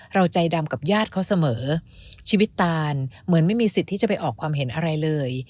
ใจดำกับญาติเขาเสมอชีวิตตานเหมือนไม่มีสิทธิ์ที่จะไปออกความเห็นอะไรเลย